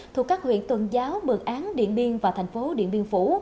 thuộc các huyện tuần giáo mường án điện biên và thành phố điện biên phủ